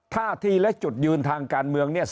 ท่าทีและจุดยืนทางการเมืองเนี่ย